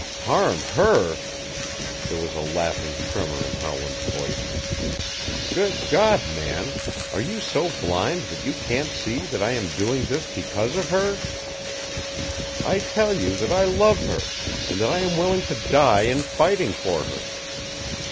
"Harm her!" There was a laughing tremor in Howland's voice. "Good God, man, are you so blind that you can't see that I am doing this because of her? I tell you that I love her, and that I am willing to die in fighting for her.